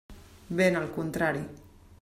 Ben al contrari.